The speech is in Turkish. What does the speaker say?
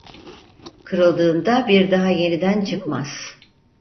Kırıldığında bir daha yeniden çıkmaz.